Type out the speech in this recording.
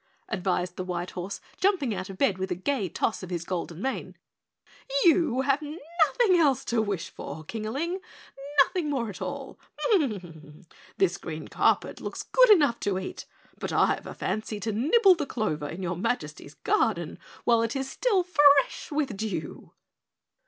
advised the white horse, jumping out of bed with a gay toss of his golden mane. "You have nothing else to wish for, Kingaling, nothing more at all! M mmm, this green carpet looks good enough to eat, but I've a fancy to nibble the clover in Your Majesty's garden while it is still fresh with dew."